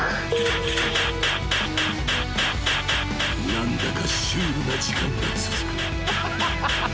［何だかシュールな時間が続く］